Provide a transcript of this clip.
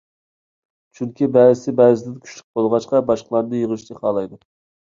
چۈنكى، بەزىسى بەزىسىدىن كۈچلۈك بولغاچقا، باشقىلارنى يېڭىشنى خالايدۇ.